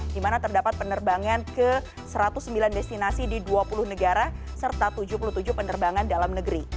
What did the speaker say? di mana terdapat penerbangan ke satu ratus sembilan destinasi di dua puluh negara serta tujuh puluh tujuh penerbangan dalam negeri